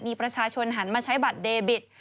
มีประชาชนหันมาใช้บัตรเดบิต